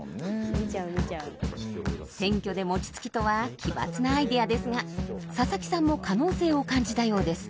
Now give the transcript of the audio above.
選挙でもちつきとは奇抜なアイデアですが佐々木さんも可能性を感じたようです。